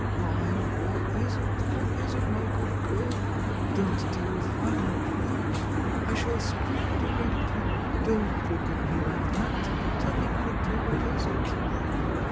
"Why, what is it, what is it, my good girl? Don't terrify me, please; I shall scream directly; don't look at me like that; tell me quickly, what is it?"